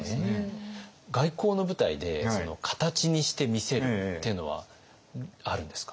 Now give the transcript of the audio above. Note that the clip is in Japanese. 外交の舞台で形にして見せるっていうのはあるんですか？